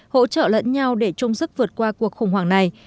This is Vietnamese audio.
hỗ trợ lẫn nhau để chung sức vượt qua cuộc khủng hoảng này